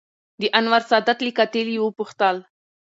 دانور سادات له قاتل یې وپوښتل